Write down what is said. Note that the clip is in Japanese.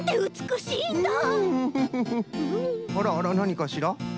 あらあらなにかしら？